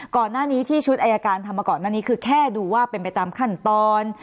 ก่อนหน้านี้ที่ชุดอายการทำมาก่อนหน้านี้คือแค่ดูว่าเป็นไปตามขั้นตอน